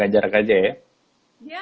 jaga jarak aja ya